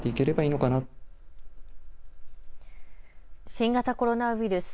新型コロナウイルス。